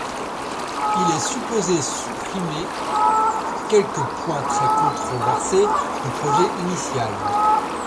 Il est supposé supprimer quelques points très controversés du projet initial.